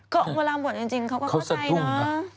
ก็เวลาหมดจริงเขาก็เข้าใจเนอะ